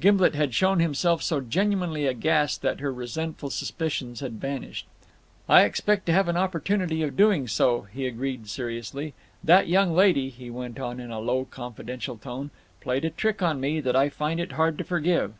Gimblet had shown himself so genuinely aghast that her resentful suspicions had vanished. "I expect to have an opportunity of doing so," he agreed seriously. "That young lady," he went on in a low, confidential tone, "played a trick on me that I find it hard to forgive.